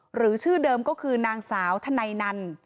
หรือชื่อเดิมก็คือนางสาวธนัยนัน